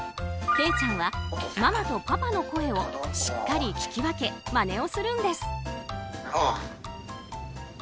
ケイちゃんはママとパパの声をしっかり聞き分けまねをするんです。